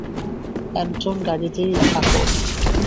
এন্টন গাড়িতেই থাকো।